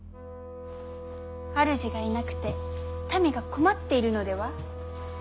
主がいなくて民が困っているのでは？